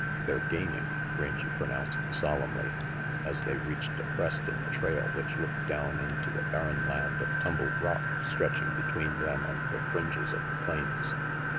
"They're gaining," Rangy pronounced solemnly, as they reached a crest in the trail which looked down into a barren area of tumbled rock stretching between them and the fringes of the plains.